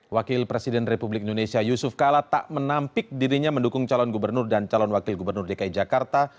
wakil presiden republik indonesia yusuf kala tak menampik dirinya mendukung calon gubernur dan calon wakil gubernur dki jakarta